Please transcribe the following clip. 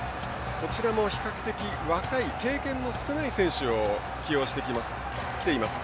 こちらも比較的若い経験の少ない選手を起用してきています。